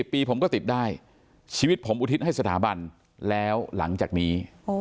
ปีผมก็ติดได้ชีวิตผมอุทิศให้สถาบันแล้วหลังจากนี้